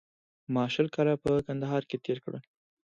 ما شل کاله په کندهار کې تېر کړل